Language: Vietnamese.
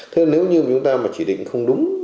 thế là nếu như chúng ta chỉ định không đúng